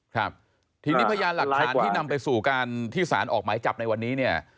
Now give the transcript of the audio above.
ครับทีนี้พยานหลักฐานที่นำไปสู่การที่สารออกหมายจับในวันนี้เนี่ย